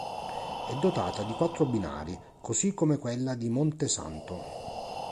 È dotata di quattro binari, così come quella di Montesanto.